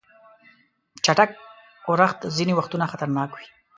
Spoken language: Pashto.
چټک اورښت ځینې وختونه خطرناک وي.